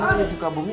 emang dia suka bumi